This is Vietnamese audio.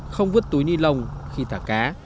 không vứt túi ni lông khi thả cá